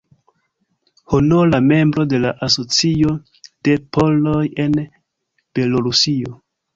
Honora membro de la Asocio de poloj en Belorusio.